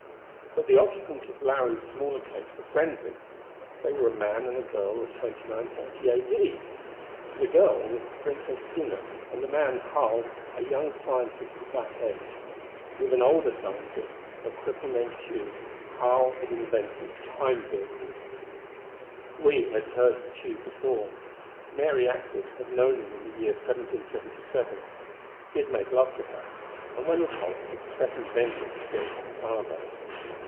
But the occupants of Larry's smaller cage were friendly. They were a man and a girl of 2930 A.D.! The girl was the Princess Tina, and the man, Harl, a young scientist of that age. With an older scientist a cripple named Tugh Harl had invented the Time vehicles. We had heard of Tugh before. Mary Atwood had known him in the year 1777. He had made love to her, and when repulsed had threatened vengeance against her father.